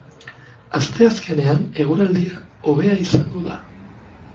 Asteazkenean eguraldia hobea izango da.